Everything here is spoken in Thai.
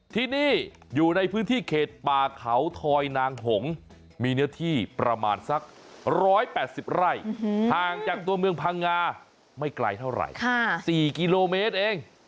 ที่นี่อยู่ในพื้นที่เขตป่าเขาทอยนางหงมีเนื้อที่ประมาณสัก๑๘๐ไร่ห่างจากตัวเมืองพังงาไม่ไกลเท่าไหร่๔กิโลเมตรเอง